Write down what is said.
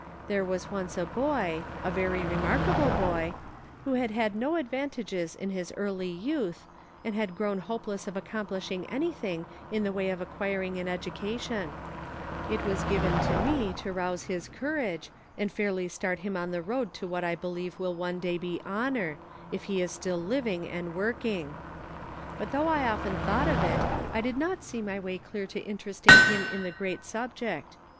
There was once a boy — a very remarkable boy — who had had no advantages in his early youth, and had grown hopeless of accomplishing anything in the way of acquiring an education ; it was given to me to rouse his courage, and fairly start him on the road to what I believe will one day be honor, if he is still living, and working ; but, though I often thought of it, I did not see my way clear to interesting him in the great subject.